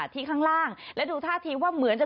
ที่ข้างล่างและดูท่าทีว่าเหมือนจะ